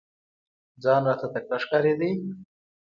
ځان راته تکړه ښکارېدی !